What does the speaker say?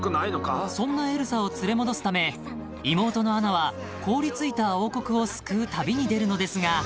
［そんなエルサを連れ戻すため妹のアナは凍り付いた王国を救う旅に出るのですが］